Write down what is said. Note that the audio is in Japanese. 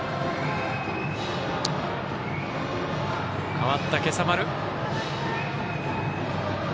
代わった今朝丸。